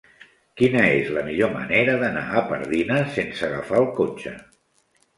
Quina és la millor manera d'anar a Pardines sense agafar el cotxe?